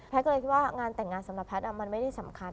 ก็เลยคิดว่างานแต่งงานสำหรับแพทย์มันไม่ได้สำคัญ